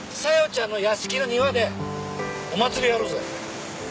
ちゃんの屋敷の庭でお祭りやろうぜ！